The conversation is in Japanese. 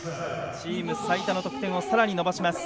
チーム最多の得点をさらに伸ばします。